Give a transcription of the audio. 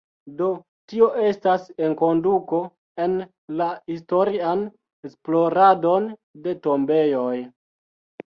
Do, tio estas enkonduko en la historian esploradon de tombejoj.